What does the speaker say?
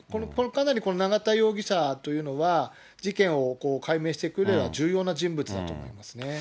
この永田容疑者というのは、事件を解明していく上では重要な人物だと思いますね。